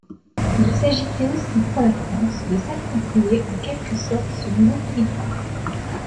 Il s’agissait aussi pour la France de s’approprier en quelque sorte ce nouveau territoire.